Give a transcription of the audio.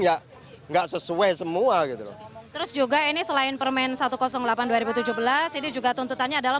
ya enggak sesuai semua gitu loh terus juga ini selain permen satu ratus delapan dua ribu tujuh belas ini juga tuntutannya adalah